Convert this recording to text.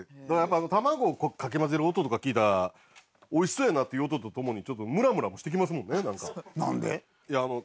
だからやっぱ卵をかき混ぜる音とか聞いたら美味しそうやなという音と共にちょっとムラムラもしてきますもんねなんか。